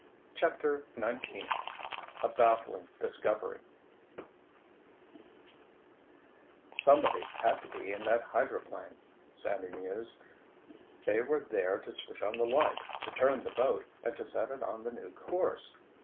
CHAPTER XIX A BAFFLING DISCOVERY "Somebody had to be in that hydroplane," Sandy mused. "They were there to switch on the light, to turn the boat, and to set it on the new course!"